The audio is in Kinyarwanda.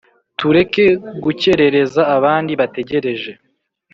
tureke gukerereza abandi bategereje !"